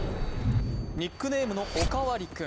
ニックネームの、おかわり君。